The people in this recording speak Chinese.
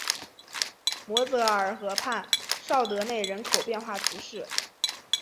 摩泽尔河畔绍德内人口变化图示